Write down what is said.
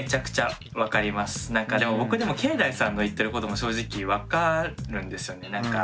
でも僕けいだいさんの言ってることも正直分かるんですよね。